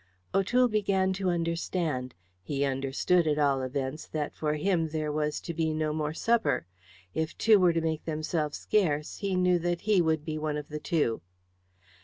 O'Toole began to understand. He understood, at all events, that for him there was to be no more supper. If two were to make themselves scarce, he knew that he would be one of the two.